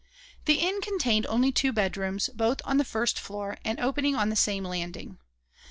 The inn contained only two bedrooms, both on the first floor and opening on the same landing.